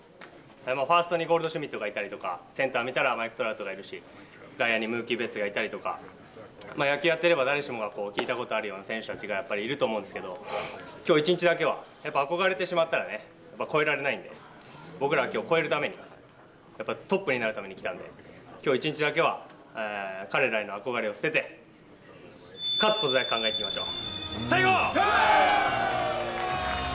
もうファーストにゴールドシュミットがいたりとか、センター見たらマイク・トラウトがいるし、外野にムーキー・ベッツがいたりとか、誰しもが聞いたことあるような選手たちがやっぱりいると思うんですけど、きょう一日だけは、やっぱ憧れてしまったらね、やっぱ越えられないんで、僕らはきょう超えるために、やっぱりトップになるために来たんで、きょう一日だけは、彼らへの憧れを捨てて、勝つことだけ考えていきましょう。